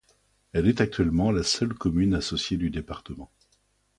Elle est actuellement la seule commune associée du département.